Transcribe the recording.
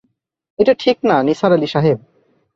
এটা ঠিক না নিসার আলি সাহেব।